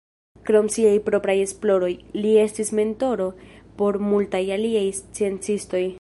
Krom siaj propraj esploroj, li estis mentoro por multaj aliaj sciencistoj.